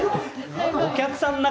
お客さん